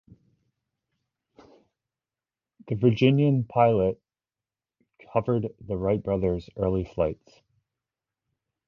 The Virginian-Pilot covered the Wright brothers' early flights.